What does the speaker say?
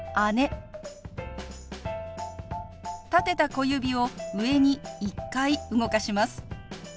立てた小指を上に１回動かします。